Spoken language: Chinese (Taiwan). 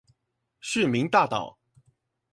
市民大道